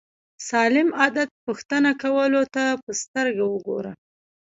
سالم عادت پوښتنه کولو ته په سترګه وګورو.